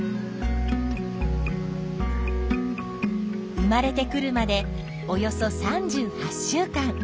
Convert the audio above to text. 生まれてくるまでおよそ３８週間。